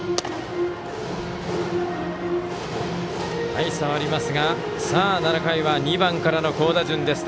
大差はありますが７回は２番からの好打順です。